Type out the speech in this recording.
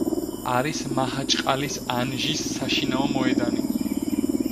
არის მაჰაჩყალის ანჟის საშინაო მოედანი.